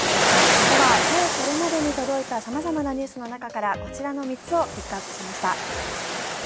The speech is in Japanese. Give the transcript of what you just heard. では、今日これまでに届いた様々なニュースの中からこちらの３つをピックアップしました。